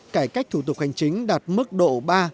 cải cách thủ tục hành chính đạt mức độ ba bốn